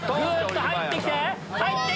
入ってきて！